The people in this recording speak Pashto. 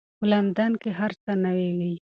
په لندن کې به هر څه نوي وي.